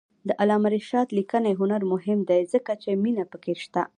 د علامه رشاد لیکنی هنر مهم دی ځکه چې مینه پکې شته.